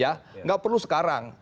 ya nggak perlu sekarang